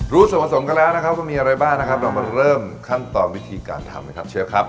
ส่วนผสมกันแล้วนะครับว่ามีอะไรบ้างนะครับเรามาเริ่มขั้นตอนวิธีการทำนะครับเชฟครับ